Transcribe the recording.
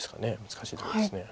難しいところです。